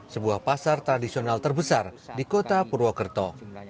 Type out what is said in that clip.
sebuah pasar tradisional terbesar di kota purwokerto